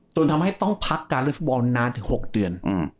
จนทำให้ต้องพักการเล่นฟุตบอลนานถึง๖เดือน